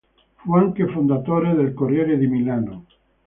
Fu anche fondatore del Corriere di Milano.